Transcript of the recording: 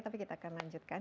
tapi kita akan lanjutkan